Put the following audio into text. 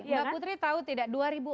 mbak putri tahu tidak